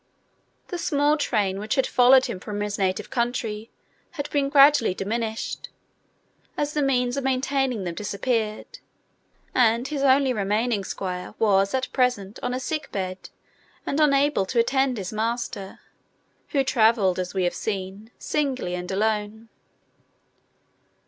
The small train which had followed him from his native country had been gradually diminished, as the means of maintaining them disappeared, and his only remaining squire was at present on a sick bed, and unable to attend his master, who travelled, as we have seen, singly and alone.